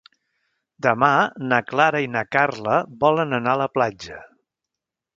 Demà na Clara i na Carla volen anar a la platja.